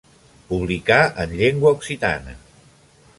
Publicà en llengua occitana.